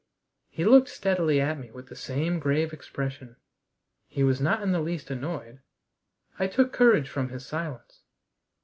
He looked steadily at me with the same grave expression. He was not in the least annoyed. I took courage from his silence.